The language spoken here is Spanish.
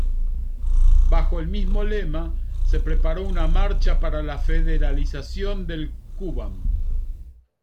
Bajo el mismo lema, se preparó una marcha para la federalización del Kuban.